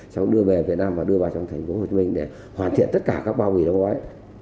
sau đó đưa về việt nam và đưa vào trong thành phố hồ chí minh để hoàn thiện tất cả các bao vỉ đóng gói